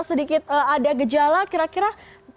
sedikit ada gejala kira kira